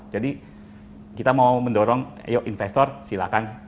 jadi kita mau mendorong yuk investor silahkan